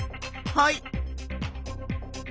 はい。